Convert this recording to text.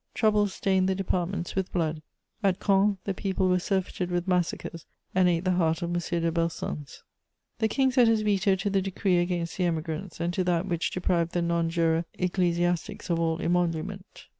Troubles stained the departments with blood; at Caen the people were surfeited with massacres and ate the heart of M. de Belsunce. The King set his veto to the decree against the Emigrants and to that which deprived the non juror ecclesiastics of all emolument.